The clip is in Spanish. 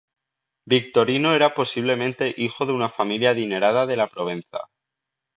Victorino era probablemente hijo de una familia adinerada de la Provenza.